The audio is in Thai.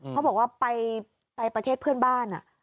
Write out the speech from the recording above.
เขาบอกว่าไปประเทศเพื่อนบ้าน